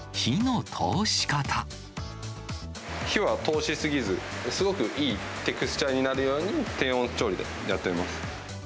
火は通し過ぎず、すごくいいテクスチャーになるように、低温調理でやっております。